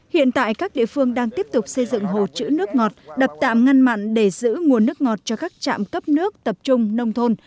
hiện tại các địa phương đang tiếp tục xây dựng hồ chữ nước ngọt đập tạm ngăn mặn để giữ nguồn nước ngọt cho các trạm cấp nước tập trung nông thôn